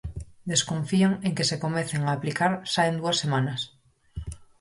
Desconfían en que se comecen a aplicar xa en dúas semanas.